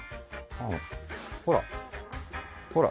ほらほら。